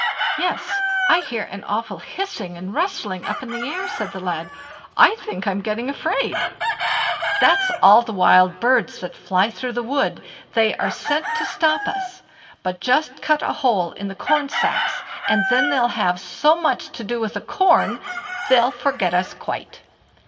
"Yes, I hear an awful hissing and rustling up in the air," said the lad; "I think I'm getting afraid." "That's all the wild birds that fly through the wood. They are sent to stop us; but just cut a hole in the corn sacks, and then they'll have so much to do with the corn, they'll forget us quite."